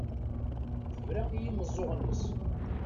Tebra i yimeẓẓuɣen-is.